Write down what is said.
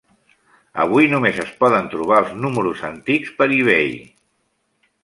Avui només es poden trobar els números antics per eBay.